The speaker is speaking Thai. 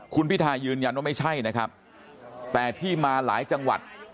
คุณพิทายืนยันว่าไม่ใช่นะครับแต่ที่มาหลายจังหวัด